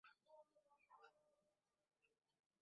সবকিছু মনে হয় ফাউল।